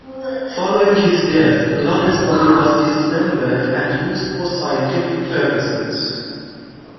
Following his death, Lanne's body was dismembered and used for scientific purposes.